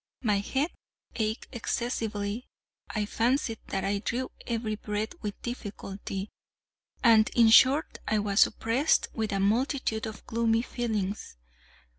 My head ached excessively; I fancied that I drew every breath with difficulty; and, in short, I was oppressed with a multitude of gloomy feelings.